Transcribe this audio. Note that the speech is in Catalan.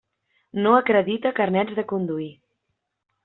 No acredita carnets de conduir.